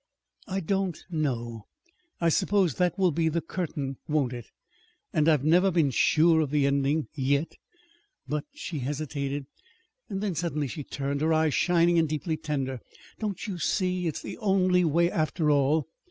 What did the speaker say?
"I don't know. I suppose that will be the 'curtain,' won't it? And I've never been sure of the ending yet. But " She hesitated; then suddenly she turned, her eyes shining and deeply tender. "Don't you see? It's the only way, after all.